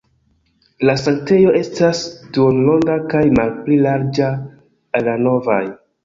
La sanktejo estas duonronda kaj malpli larĝa, ol la navoj.